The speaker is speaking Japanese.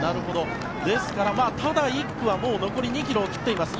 ですからただ１区は残り２ｋｍを切っています。